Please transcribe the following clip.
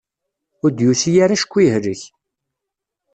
Ur d-yusi ara acku yehlek.